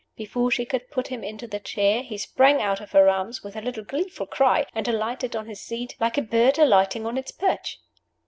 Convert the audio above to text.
Before she could put him into the chair, he sprang out of her arms with a little gleeful cry, and alighted on his seat, like a bird alighting on its perch!